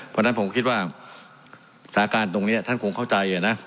สวัสดีสวัสดีสวัสดีสวัสดี